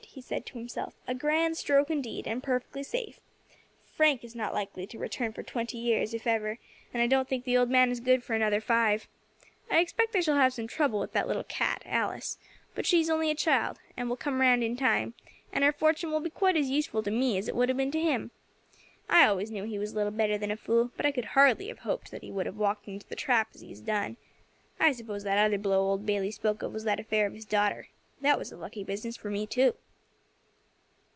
he said to himself; "a grand stroke indeed, and perfectly safe. Frank is not likely to return for twenty years, if ever, and I don't think the old man is good for another five. I expect I shall have some trouble with that little cat, Alice; but she is only a child, and will come round in time, and her fortune will be quite as useful to me as it would have been to him. I always knew he was little better than a fool, but I could hardly have hoped that he would have walked into the trap as he has done. I suppose that other blow old Bayley spoke of was that affair of his daughter. That was a lucky business for me too."